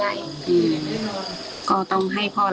อยากให้สังคมรับรู้ด้วย